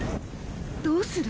どうする？